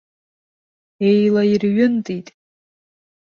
Еилаирҩынтит.